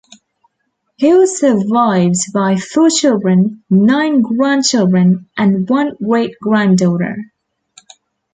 He was survived by four children, nine grandchildren and one great-granddaughter.